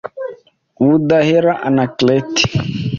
Budahera Anaclet